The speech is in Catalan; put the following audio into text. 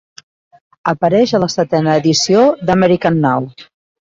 Apareix a la setena edició d'American Now!